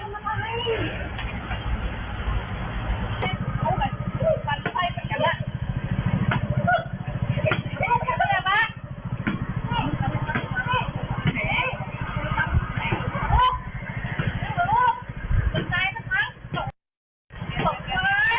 ตอบแย้งตอบขากูนะ